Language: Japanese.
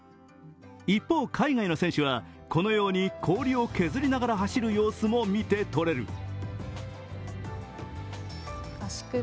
一方、海外の選手はこのように氷を削りながら走る様子も見て取れる。